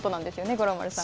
五郎丸さん。